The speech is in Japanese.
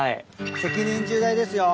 責任重大ですよ。